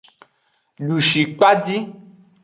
Dushikpaji.